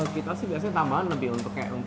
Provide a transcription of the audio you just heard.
kita sih biasanya tambahan lebih untuk kayak